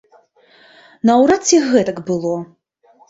Наўрад ці гэтак было.